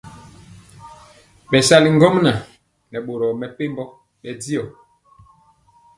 Bɛsali ŋgomnaŋ nɛ boro mepempɔ bɛndiɔ.